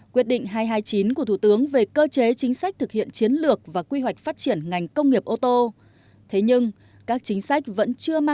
quyết định hai trăm hai mươi chín của thủ tướng về công nghiệp ô tô việt nam